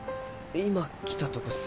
今来たとこっす。